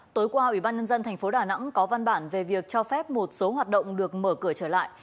tối qua ủy ban nhân dân tp đà nẵng có văn bản về việc cho phép một số hoạt động được mở cửa trở lại